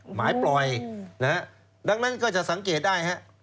หมายปล่อยนะฮะดังนั้นก็จะสังเกตได้ฮะ